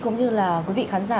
cũng như là quý vị khán giả